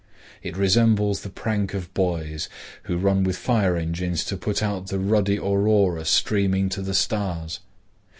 It resembles the prank of boys, who run with fire engines to put out the ruddy aurora streaming to the stars.